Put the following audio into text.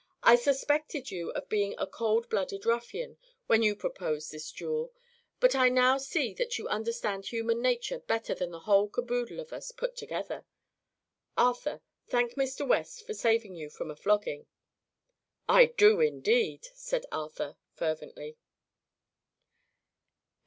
"I suspected you of being a cold blooded ruffian, when you proposed this duel; but I now see that you understand human nature better than the whole caboodle of us put together! Arthur, thank Mr. West for saving you from a flogging." "I do, indeed!" said Arthur fervently.